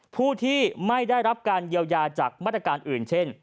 ผู้ที่ไม่ได้รับการเยียวยาจากมาตรการอื่นเช่น